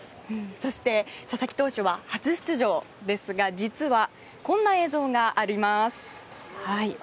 そして佐々木投手は初出場ですが実はこんな映像があります。